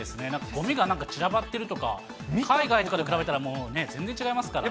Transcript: ごみがなんか散らばってるとか、海外とかと比べたら、全然違いますから。